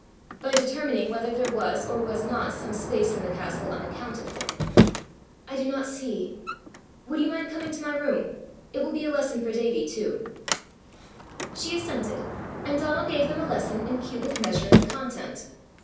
"By determining whether there was or was not some space in the castle unaccounted for." "I do not see." "Would you mind coming to my room? It will be a lesson for Davie too!" She assented, and Donal gave them a lesson in cubic measure and content.